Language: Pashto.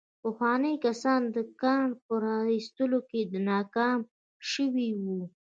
پخواني کسان د کان په را ايستلو کې ناکام شوي وو.